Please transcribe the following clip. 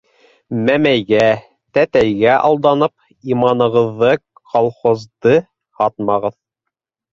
Мәмәйгә, тәтәйгә алданып, иманығыҙҙы - колхозды һатмағыҙ!